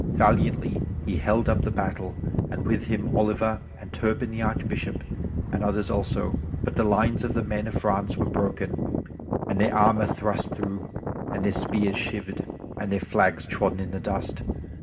Valiantly he held up the battle, and with him Oliver, and Turpin the Archbishop, and others also; but the lines of the men of France were broken, and their armor thrust through and their spears shivered, and their flags trodden in the dust.